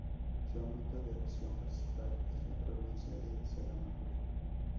Su ámbito de acción principal es la provincia de Salamanca.